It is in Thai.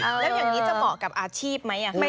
แล้วอย่างนี้จะเหมาะกับอาชีพไหม